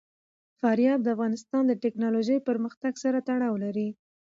فاریاب د افغانستان د تکنالوژۍ پرمختګ سره تړاو لري.